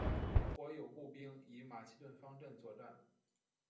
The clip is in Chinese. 夥友步兵以马其顿方阵作战。